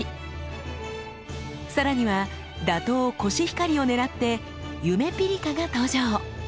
更には打倒コシヒカリをねらって「ゆめぴりか」が登場。